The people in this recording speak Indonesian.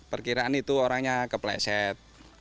perkiraan itu orangnya kepleset